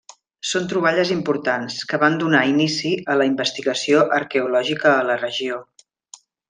Són troballes importants, que van donar inici a la investigació arqueològica a la regió.